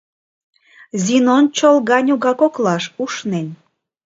Зинон, чолга ньога коклаш ушнен